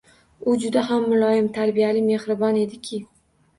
U juda ham muloyim, tarbiyali, mehribon ediki